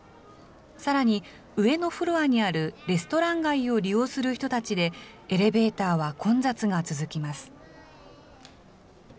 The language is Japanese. さらに上のフロアにあるレストラン街を利用する人たちでエレベーターは混雑が続きます。